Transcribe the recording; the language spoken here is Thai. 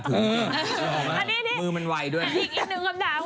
แต่เข้าหันไกลแฟนหรอ